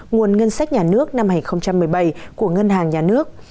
nguồn ngân sách nhà nước năm hai nghìn một mươi bảy của ngân hàng nhà nước